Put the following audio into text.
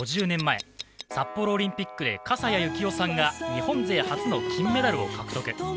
５０年前札幌オリンピックで笠谷幸生さんが日本勢初の金メダルを獲得。